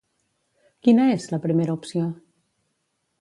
Quina és, la primera opció?